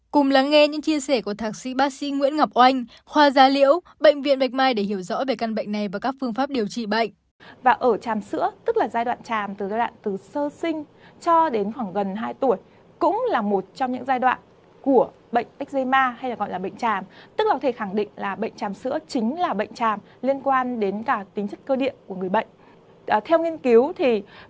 cùng lắng nghe những chia sẻ của thạc sĩ bác sĩ nguyễn ngọc oanh khoa da liễu bệnh viện bạch mai để hiểu rõ về căn bệnh này và các phương pháp điều trị bệnh